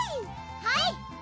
はい！